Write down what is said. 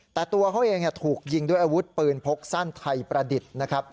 แต่ตัวเขาเองถูกยิงด้วยอาวุธปืนพกสั้นไทยประดิษฐ์นะครับ